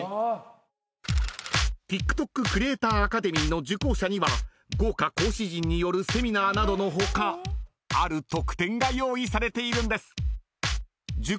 ［ＴｉｋＴｏｋｃｒｅａｔｏｒａｃａｄｅｍｙの受講者には豪華講師陣によるセミナーなどの他ある特典が用意されているんです］